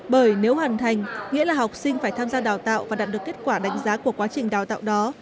bởi nếu hoàn thành nghĩa là học sinh phải tham gia đào tạo và đạt được kết quả đánh giá của quá trình đào tạo đó